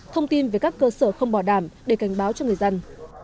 thông tin về các cơ sở không bỏ đảm để cảnh báo cho người dân